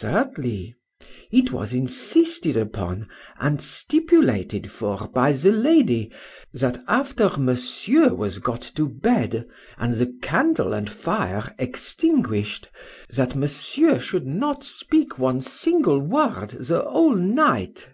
3dly. It was insisted upon and stipulated for by the lady, that after Monsieur was got to bed, and the candle and fire extinguished, that Monsieur should not speak one single word the whole night.